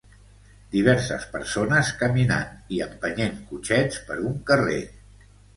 Diverses persones caminant i empenyent cotxets per un carrer.